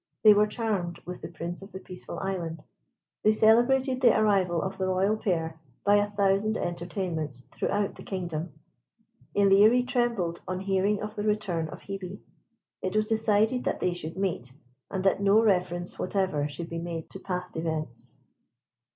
They were charmed with the Prince of the Peaceful Island: they celebrated the arrival of the royal pair by a thousand entertainments throughout the kingdom. Ilerie trembled on hearing of the return of Hebe. It was decided that they should meet, and that no reference whatever should be made to past events.